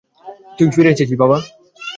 তুই ফিরে এসেছিস।